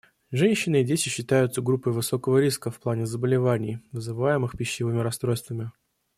Женщины и дети считаются группой высокого риска в плане заболеваний, вызываемых пищевыми расстройствами.